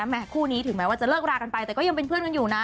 เดี่ยคู่นี้ถึงแม้จะเลิกกันไปแต่ยังเป็นเพื่อนกันอยู่นะ